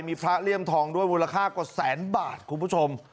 มีพระเลี่ยมทองด้วยมูลค่ากว่าแสนบาทคุณผู้ชม